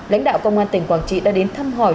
lãnh đạo công an tỉnh quảng trị đã đến thăm hỏi